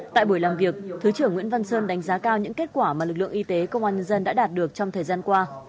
tại buổi làm việc thứ trưởng nguyễn văn sơn đánh giá cao những kết quả mà lực lượng y tế công an nhân dân đã đạt được trong thời gian qua